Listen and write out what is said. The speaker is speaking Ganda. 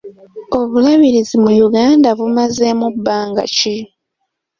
Obulabirizi mu Uganda bumazeewo bbanga ki?